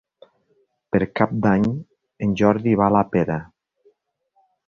Per Cap d'Any en Jordi va a la Pera.